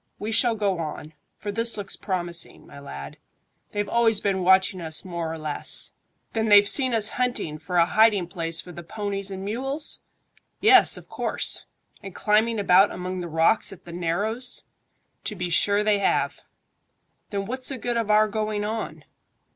We shall go on; for this looks promising, my lad. They've always been watching us more or less." "Then they've seen us hunting for a hiding place for the ponies and mules?" "Yes, of course." "And climbing about among the rocks at the narrows?" "To be sure they have." "Then what's the good of our going on?"